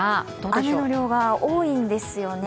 雨の量が多いんですよね。